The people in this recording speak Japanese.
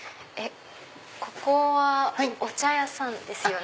ここはお茶屋さんですよね？